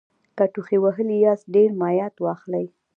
که ټوخي وهلي یاست ډېر مایعت واخلئ